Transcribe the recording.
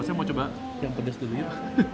saya mau coba yang pedas dulu yuk